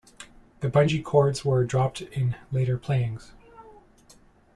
The bungee cords were dropped in later playings.